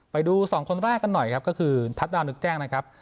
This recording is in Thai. ไปดูสองคนแรกกันหน่อยครับก็คือทัศน์นึกแจ้งนะครับ